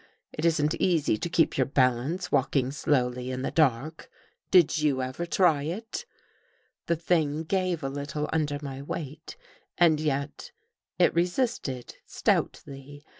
It isn't easy to |j keep your balance walking slowly in the dark. Did [i you ever try it? ' The thing gave a little under my weight, and yet I it resisted stoutly.